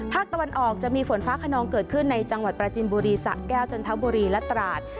ภาคตะวันออกจะมีฝนฟ้าขนองเกิดขึ้นในจังหวัดปราจินบุรีสะแก้วจันทบุรีและตราด